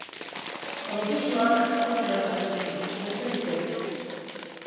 Prozesuak aurrera jarraitzen du, besterik ez.